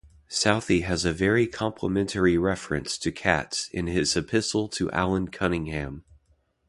Southey has a very complimentary reference to Cats in his Epistle to Allan Cunningham.